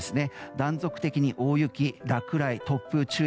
断続的に大雪、落雷、突風注意。